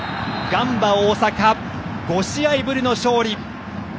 ガンバ大阪、５試合ぶりの勝利。